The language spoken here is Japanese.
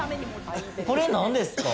これなんですか？